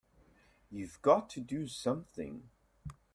You've got to do something!